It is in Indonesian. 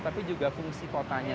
tapi juga fungsi kotanya